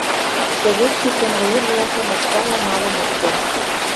Советский конвоир-влакым оксала налын от керт.